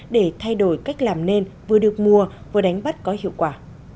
để thay đổi cách làm nên vừa được mùa vừa đánh bắt có hiệu quả